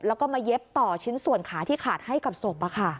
แล้วก็มาเย็บต่อชิ้นส่วนขาที่ขาดให้กับศพ